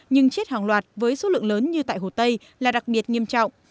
nhưng chết hàng loạt với số lượng lớn như tại hồ tây là đặc biệt nghiêm trọng